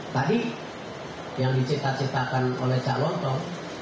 tadi yang dicipta ciptakan oleh cak lontong